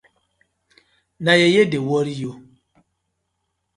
Na yeye dey worry you.